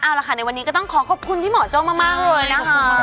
อันดับนี้ก็ต้องขอขอบคุณพี่หมอเจ้ามากเลยนะฮะ